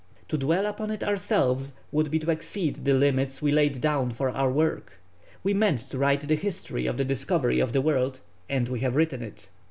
To dwell upon it ourselves would be to exceed the limits we laid down for our work. We meant to write the History of the Discovery of the World, and we have written it.